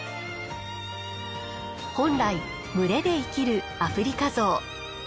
本来群れで生きるアフリカゾウ。